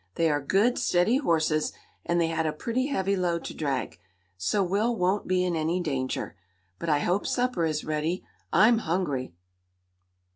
"They are good, steady horses, and they had a pretty heavy load to drag. So Will won't be in any danger. But I hope supper is ready. I'm hungry!"